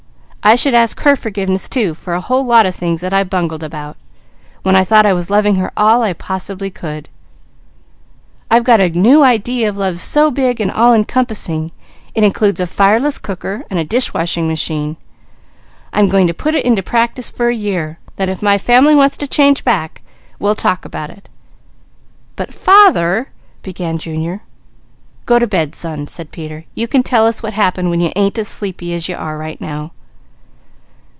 I should ask her forgiveness too, for a whole lot of things that I bungled about, when I thought I was loving her all I possibly could. I've got a new idea of love so big and all encompassing it includes a fireless cooker and a dish washing machine. I'm going to put it in practice for a year; then if my family wants to change back, we'll talk about it." "But father " began Junior. "Go to bed son," said Peter. "You can tell us what happened when you ain't as sleepy as you are right now."